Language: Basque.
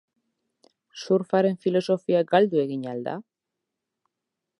Surfaren filosofia galdu egin al da?